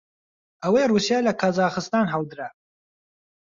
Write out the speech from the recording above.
ئەوەی ڕووسیا لە کازاخستان هەڵدرا